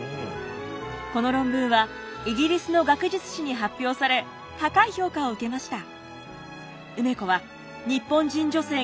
この論文はイギリスの学術誌に発表され高い評価を受けました。